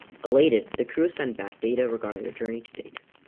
Elated, the crew send back data regarding their journey to date.